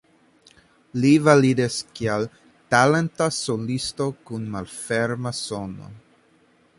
Li validis kiel talenta solisto kun malferma sono.